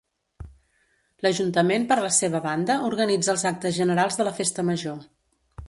L'ajuntament, per la seva banda, organitza els actes generals de la festa major.